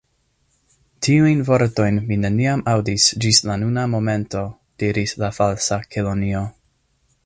"Tiujn vortojn mi neniam aŭdis ĝis la nuna momento," diris la Falsa Kelonio.